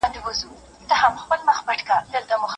رند به په لاسو کي پیاله نه لري